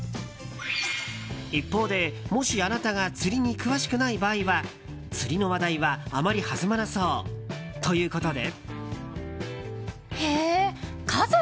一方で、もしあなたが釣りに詳しくない場合は釣りの話題はあまり弾まなそうということで。